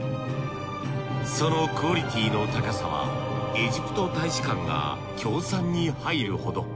そのクオリティーの高さはエジプト大使館が協賛に入るほど。